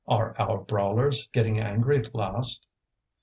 "Are our brawlers getting angry at last?"